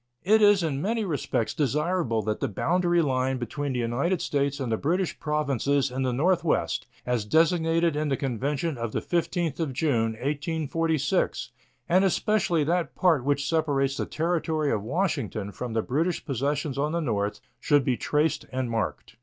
It is in many respects desirable that the boundary line between the United States and the British Provinces in the northwest, as designated in the convention of the 15th of June, 1846, and especially that part which separates the Territory of Washington from the British possessions on the north, should be traced and marked.